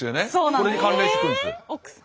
これに関連してくるんです。